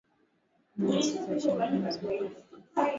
Nyasi za shambani zimekauka